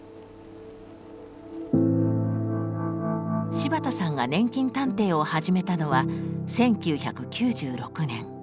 柴田さんが年金探偵を始めたのは１９９６年。